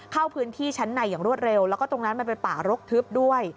เข้าพื้นที่ชั้นในอย่างรวดเร็วแล้วก็ตรงนั้นมันเป็นป่ารกทึบด้วย